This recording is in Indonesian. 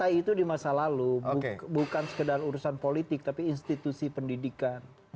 dki itu di masa lalu bukan sekedar urusan politik tapi institusi pendidikan